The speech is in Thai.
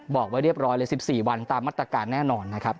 บอกไว้เรียบร้อยเลย๑๔วันตามมาตรการแน่นอนนะครับ